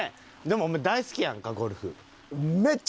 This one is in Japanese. でもお前大好きやんかゴルフ。